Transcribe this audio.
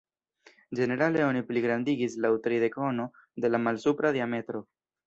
Ĝenerale oni pligrandigis laŭ tridek-ono de la malsupra diametro.